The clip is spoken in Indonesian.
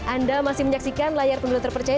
anda masih menyaksikan layar pemilu terpercaya